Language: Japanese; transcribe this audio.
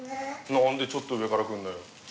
何でちょっと上から来るんだよ。